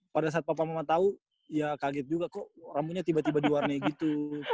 pada saat papa mama tahu ya kaget juga kok rambunya tiba tiba diwarnai gitu